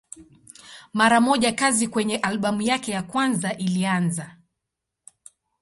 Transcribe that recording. Mara moja kazi kwenye albamu yake ya kwanza ilianza.